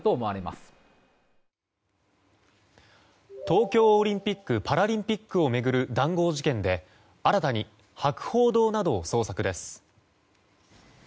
東京オリンピック・パラリンピックを巡る談合事件で新たに博報堂などを捜索です。